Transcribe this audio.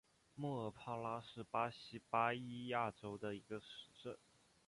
莫尔帕拉是巴西巴伊亚州的一个市镇。